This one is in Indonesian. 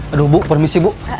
aduh bu permisi bu